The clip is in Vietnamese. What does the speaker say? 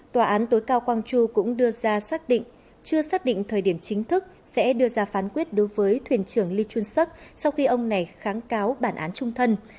tòa án tối cao quang chu cũng đưa ra xác định chưa xác định thời điểm chính thức sẽ đưa ra phán quyết đối với thuyền trưởng lee chun suk sau khi ông này kháng cáo bản án trung thân